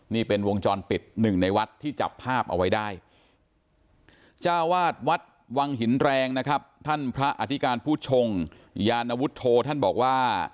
นี่เป็นวงจรปิดหนึ่งในวัดที่จับภาพเอาไว้ได้จ้าวาดวัดวังหินแรงนะครับท่านพระอธิการผู้ชงยานวุฒโธท่านบอกว่า